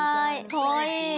かわいい。